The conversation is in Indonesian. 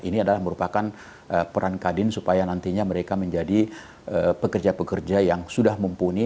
ini adalah merupakan peran kadin supaya nantinya mereka menjadi pekerja pekerja yang sudah mumpuni